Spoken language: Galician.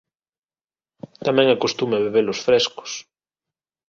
Tamén é costume bebelos frescos.